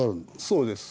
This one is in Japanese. そうです。